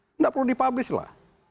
tidak perlu dipublis lah